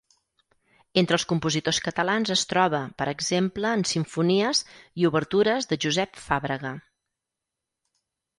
Entre els compositors catalans es troba, per exemple en simfonies i obertures de Josep Fàbrega.